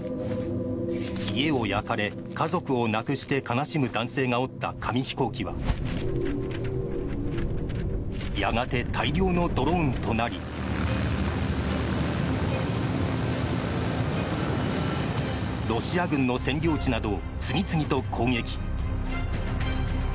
家を焼かれ、家族を亡くして悲しむ男性が折った紙飛行機はやがて大量のドローンとなりロシア軍の占領地などを次々と攻撃。